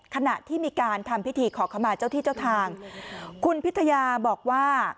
ขณะที่มีการทำพิธีขอขมาเจ้าที่เจ้าทางคุณพิทยาบอกว่า